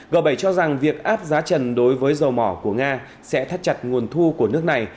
g bảy cho rằng việc áp giá trần đối với dầu mỏ của nga sẽ thắt chặt nguồn thu của nước này